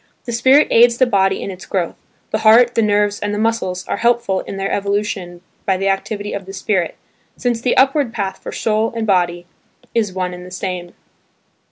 The spirit aids the body in its growth; the heart, the nerves and the muscles are helpful in their evolution by the activity of the spirit, since the upward path for soul and body is one and the same.